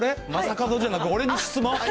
正門じゃなく、俺に質問？